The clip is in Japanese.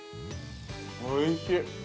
◆おいしい。